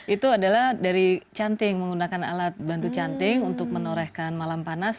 itu adalah dari canting menggunakan alat bantu canting untuk menorehkan malam panas